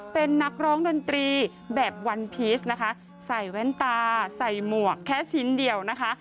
เป็นนักร้องดนตรีแบบวันพีชนะคะใส่แว่นตาใส่หมวกแค่ชิ้นเดียวนะคะ